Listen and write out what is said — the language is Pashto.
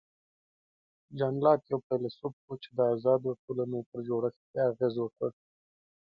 جان لاک یو فیلسوف و چې د آزادو ټولنو پر جوړښت یې اغېز وکړ.